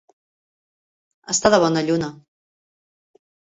Estar de bona lluna.